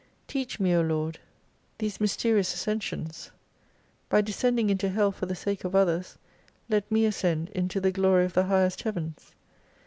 Teach me, O Lord, these mys 68 terious ascencions. By descending into Hell for the sake of others, let me ascend into the glory of the Highest Heavens.